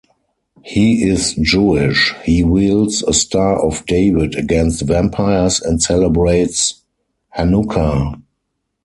He is Jewish, he wields a Star of David against vampires and celebrates Hanukkah.